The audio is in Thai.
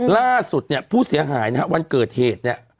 ล่าสุดเนี่ยผู้เสียหายนะฮะวันเกิดเหตุเนี่ย